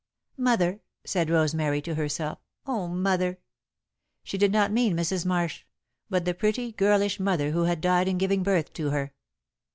"Mother," said Rosemary, to herself. "Oh, Mother!" She did not mean Mrs. Marsh, but the pretty, girlish mother who had died in giving birth to her.